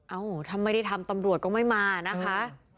เอ้าถ้าไม่ได้ทำตำรวจก็ไม่มานะคะ